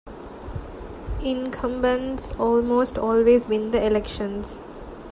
Incumbents almost always win the elections.